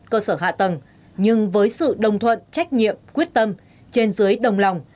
cơ sở hạ tầng nhưng với sự đồng thuận trách nhiệm quyết tâm trên dưới đồng lòng